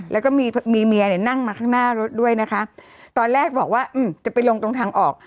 แล้วก็มีมีเมียเนี่ยนั่งมาข้างหน้ารถด้วยนะคะตอนแรกบอกว่าอืมจะไปลงตรงทางออก